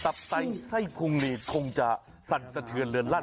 สับใสไส้พุงหลีดคงจะสัดสะเทือนเรือนรั่น